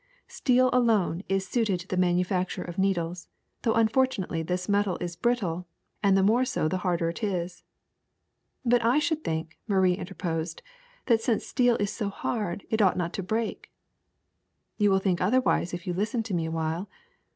Steel alone is suited to the manu facture of needles, though unfortunately this metal is brittle, and the more so the harder it is. '' But I should think,'' Marie interposed, *Hhat since steel is so hard it ought not to break. '' n ' I ^^ You will think ff otherwise if you listen to me a while.